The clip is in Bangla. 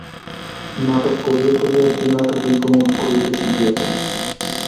নাটক করিয়া করিয়া কী নাটকই কুমুদ করিতে শিখিয়াছে।